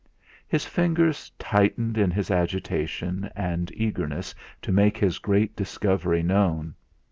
His fingers tightened in his agitation and eagerness to make his great discovery known.